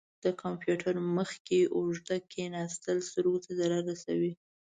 د کمپیوټر مخ کې اوږده کښیناستل سترګو ته ضرر رسوي.